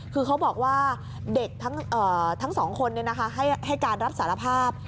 คือเขาบอกว่าเด็กทั้งสองคนให้การรับสารภาพ